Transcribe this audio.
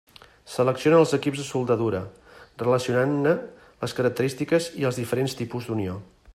Selecciona els equips de soldadura, relacionant-ne les característiques i els diferents tipus d'unió.